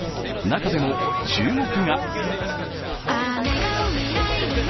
中でも注目が。